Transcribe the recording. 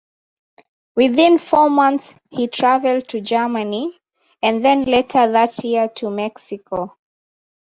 Within four months he travelled to Germany and then later that year to Mexico.